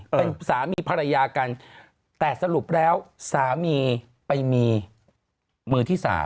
เป็นสามีภรรยากันแต่สรุปแล้วสามีไปมีมือที่๓